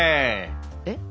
えっ？